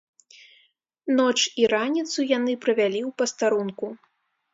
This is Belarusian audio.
Ноч і раніцу яны правялі ў пастарунку.